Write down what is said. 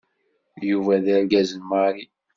Yuba d argaz n Mary.